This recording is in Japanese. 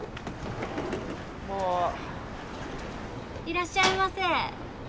いらっしゃいませ！